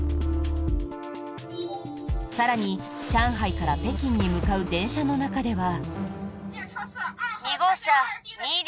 更に、上海から北京に向かう電車の中では。